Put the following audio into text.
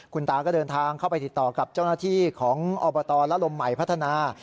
คุณตาก็เดินทางเข้าไปติดต่อกับเจ้าหน้าที่ของอบตและลมใหม่พัฒนา